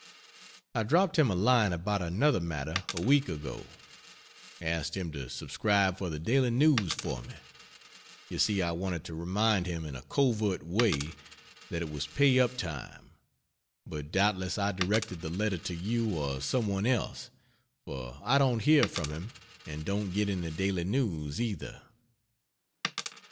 I dropped him a line about another matter a week ago asked him to subscribe for the Daily News for me you see I wanted to remind him in a covert way that it was pay up time but doubtless I directed the letter to you or some one else, for I don't hear from him and don't get any Daily News either.